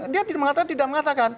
dia tidak mengatakan